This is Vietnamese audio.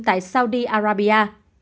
tại saudi arabia